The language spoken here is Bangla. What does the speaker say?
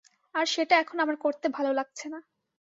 আর সেটা এখন আমার করতে ভালো লাগছে না।